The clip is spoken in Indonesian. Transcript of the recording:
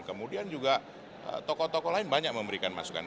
kemudian juga tokoh tokoh lain banyak memberikan masukan